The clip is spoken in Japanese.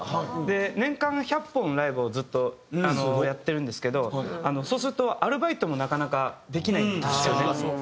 年間１００本のライブをずっとやってるんですけどそうするとアルバイトもなかなかできないんですよね。